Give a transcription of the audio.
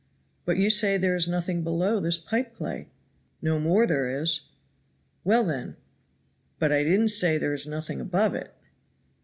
"But you say there is nothing below this pipe clay." "No more there is." "Well, then." "But I don't say there is nothing above it!!!"